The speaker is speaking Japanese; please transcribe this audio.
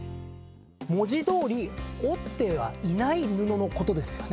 文字通り織ってはいない布のことですよね。